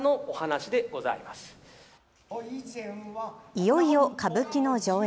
いよいよ歌舞伎の上演。